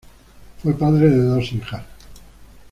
Fue padre de dos hijas.